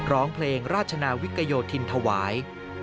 ร้องเพลงราชนาวิกโยธินถวาย